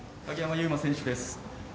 鍵山優真選手です。